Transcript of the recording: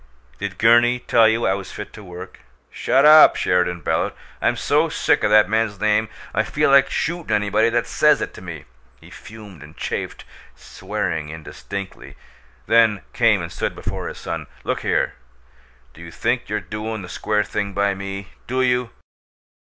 "Did Gurney tell you I was fit to work?" "Shut up!" Sheridan bellowed. "I'm so sick o' that man's name I feel like shootin' anybody that says it to me!" He fumed and chafed, swearing indistinctly, then came and stood before his son. "Look here; do you think you're doin' the square thing by me? Do you?